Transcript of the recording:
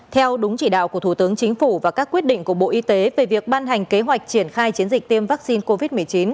theo đúng chỉ đạo của thủ tướng chính phủ và các quyết định của bộ y tế về việc ban hành kế hoạch triển khai chiến dịch tiêm vaccine covid một mươi chín